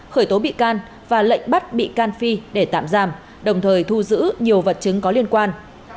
khởi tố bị can và lệnh bắt bị can phi để tạm giam đồng thời thu giữ nhiều vật chứng có liên quan